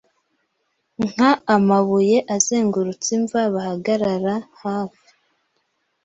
Nka amabuye azengurutse imva bahagarara hafi